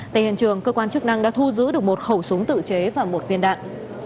tại hiện trường cơ quan chức năng đã thu giữ được một khẩu súng tự chế và một viên đạn